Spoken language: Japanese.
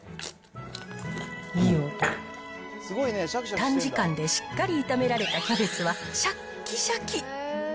短時間でしっかり炒められたキャベツはしゃっきしゃき。